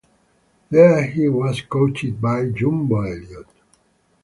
There he was coached by Jumbo Elliott.